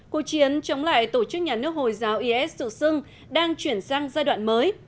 cuộc chiến chống lại tổ chức nhà nước hồi giáo is tự xưng đang chuyển sang giai đoạn mới